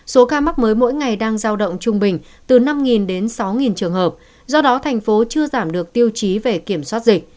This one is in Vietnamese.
số ca mắc mới mỗi ngày đang giao động trung bình từ năm đến sáu trường hợp do đó thành phố chưa giảm được tiêu chí về kiểm soát dịch